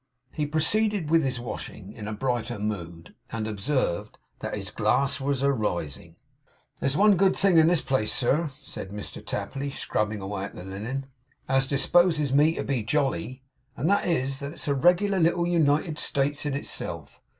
He proceeded with his washing in a brighter mood; and observed 'that his glass was arising.' 'There's one good thing in this place, sir,' said Mr Tapley, scrubbing away at the linen, 'as disposes me to be jolly; and that is that it's a reg'lar little United States in itself.